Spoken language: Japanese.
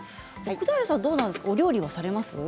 奥平さんはお料理されます？